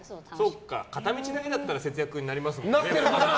そっか、片道だけだったら節約になりますよね！